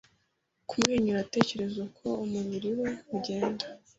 Kumwenyura atekereza uko umubiri we ugenda